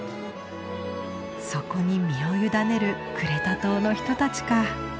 そこに身を委ねるクレタ島の人たちか。